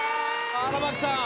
荒牧さん。